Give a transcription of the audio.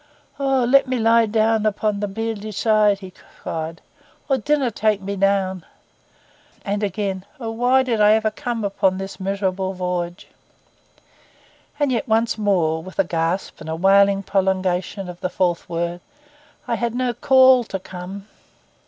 'O let me lie down upon the bieldy side,' he cried; 'O dinna take me down!' And again: 'O why did ever I come upon this miserable voyage?' And yet once more, with a gasp and a wailing prolongation of the fourth word: 'I had no call to come.